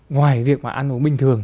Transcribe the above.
ngoài việc mà ăn uống bình thường